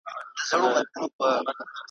د دوو اوربشو تر منځ به وتړل سي.